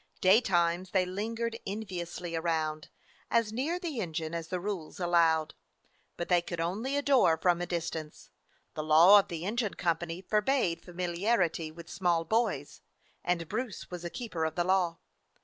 Day times they lingered enviously around, as near the engine as the rules allowed. But they could only adore from a distance. The law of the engine company forbade familiarity with small boys, and Bruce was a keeper of the law.